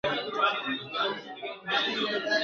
دغه وخت به ښکاري کش کړل تناوونه !.